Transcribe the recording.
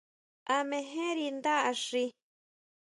¿A mejenri ndá axi?